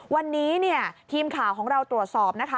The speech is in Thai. วันนี้เนี่ยทีมข่าวของเราตรวจสอบนะคะ